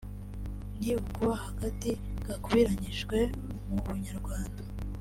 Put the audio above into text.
ni ukuba agati gakubiranyijwe mu bunyarwanda